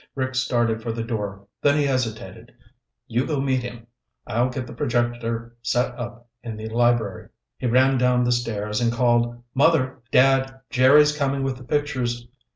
Rick started for the door, then he hesitated. "You go meet him. I'll get the projector set up in the library." He ran down the stairs and called, "Mother. Dad. Jerry's coming with the pictures."